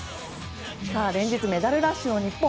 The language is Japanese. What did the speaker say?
連日メダルラッシュの日本。